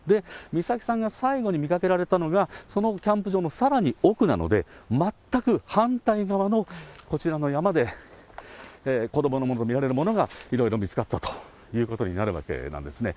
美咲さんが最後に見かけられたのが、そのキャンプ場のさらに奥なので、全く反対側のこちらの山で、子どものものと見られるものがいろいろ見つかったということになるわけなんですね。